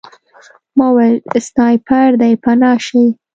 ما وویل سنایپر دی پناه شئ